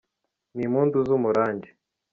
Ni impundu z’umurangi